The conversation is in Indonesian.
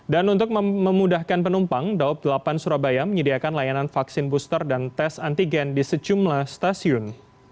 dan untuk memudahkan penumpang daup delapan surabaya menyediakan layanan vaksin booster dan tes antigen di sejumlah stasiun